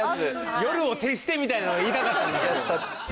夜を徹してみたいなのを言いたかったんでしょう。